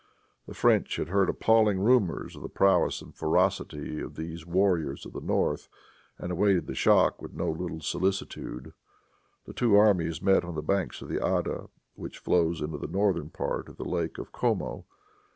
The French had heard appalling rumors of the prowess and ferocity of these warriors of the North, and awaited the shock with no little solicitude. The two armies met on the banks of the Adda, which flows into the northern part of the Lake of Como.